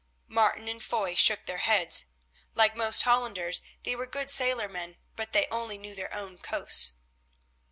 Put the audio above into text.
Martin and Foy shook their heads. Like most Hollanders they were good sailormen, but they only knew their own coasts.